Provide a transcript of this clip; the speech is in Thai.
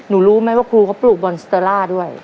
รู้ไหมว่าครูเขาปลูกบอลสเตอร่าด้วย